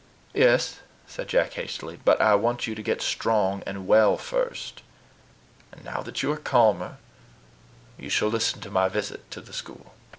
"Yes," said Jack hastily; "but I want you to get strong and well first. And, now that you are calmer, you shall listen to my visit to the school."